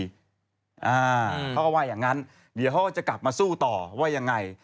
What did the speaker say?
เขาก็ว่าอย่างนั้นเดี๋ยวเขาก็จะกลับมาสู้ต่อว่ายังไง